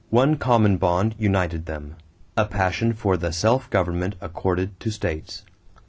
One common bond united them a passion for the self government accorded to states.